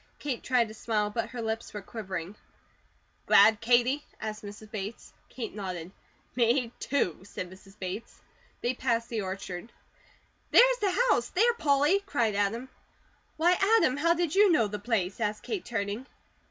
Kate tried to smile, but her lips were quivering. "Glad, Katie?" asked Mrs. Bates. Kate nodded. "Me, too!" said Mrs. Bates. They passed the orchard. "There's the house, there, Polly!" cried Adam. "Why, Adam, how did you know the place?" asked Kate, turning.